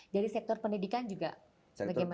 jadi sektor pendidikan juga bagaimana pak